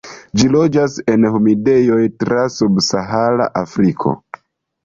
Ĝi loĝas en humidejoj tra subsahara Afriko.